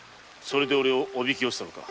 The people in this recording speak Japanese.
それでおれをおびきよせたのか。